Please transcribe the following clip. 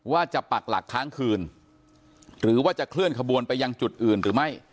จะปักหลักค้างคืนหรือว่าจะเคลื่อนขบวนไปยังจุดอื่นหรือไม่